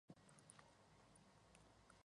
Countdown", "Show!